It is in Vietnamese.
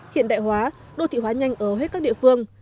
hiện đại hóa đô thị hóa nhanh ở hết các địa phương